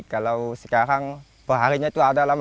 kalau sekarang perharinya itu ada lama